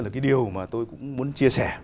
cái điều mà tôi cũng muốn chia sẻ